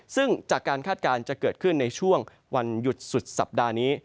ซึ่งจากการคาดการณ์จะเกิดขึ้นในช่วงวันหยุดสุดสัปดาห์นี้